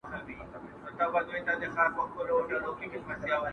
تیاره پر ختمېده ده څوک به ځي څوک به راځي٫